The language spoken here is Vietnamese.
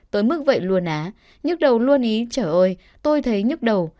tôi mức vậy luôn á nhức đầu luôn ý trời ơi tôi thấy nhức đầu